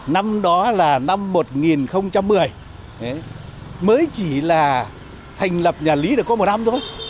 năm đó là năm một nghìn một mươi mới chỉ là thành lập nhà lý đã có một năm thôi